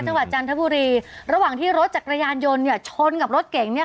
จันทบุรีระหว่างที่รถจักรยานยนต์เนี่ยชนกับรถเก่งเนี่ย